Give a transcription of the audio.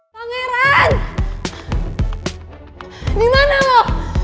pangeran dimana lo